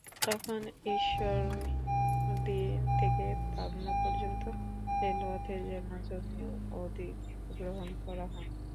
তখন ঈশ্বরদী থেকে পাবনা পর্যন্ত রেলপথের জন্য জমি অধিগ্রহণ করা হয়।